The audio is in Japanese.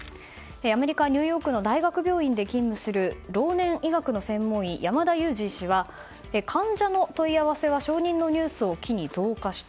アメリカ・ニューヨークの大学病院で勤務する老年医学の専門医山田悠史医師は患者の問い合わせは承認のニュースを機に増加した。